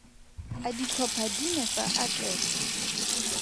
A ditlhopha di ne tsa atlega?